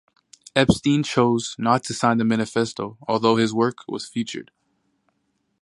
Epstein chose not to sign the manifesto, although his work was featured.